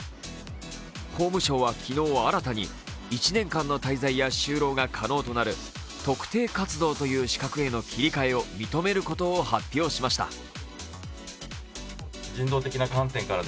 法務省は昨日新たに１年間の滞在や就労が可能となる特定活動という資格への切り替えを認めることを発表しました。